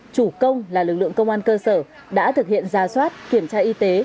chủ công là lực lượng công an cơ sở đã thực hiện ra soát kiểm tra y tế